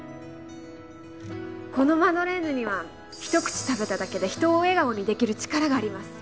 このマドレーヌには一口食べただけで人を笑顔にできる力があります